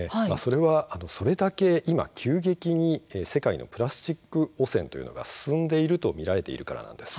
それだけ今急激に世界のプラスチック汚染というのが進んでいると見られているからなんです。